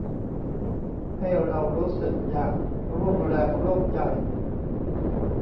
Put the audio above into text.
ให้เรารู้สึกอยากร่วมแรงร่วมใจ